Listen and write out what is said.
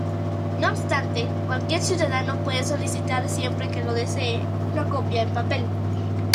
No obstante, cualquier ciudadano puede solicitar siempre que lo desee una copia en papel.